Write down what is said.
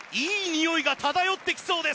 いいにおいが漂ってきそうです。